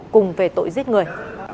cùng về tội giết người